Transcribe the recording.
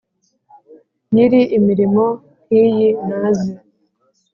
nyiri imirimo nk’iyi naze